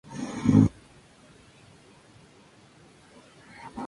Hay varias especies de cierta importancia pesquera, tanto para pesca comercial como deportiva.